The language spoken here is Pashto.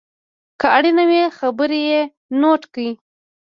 که اړینه وي خبرې یې نوټ کړئ.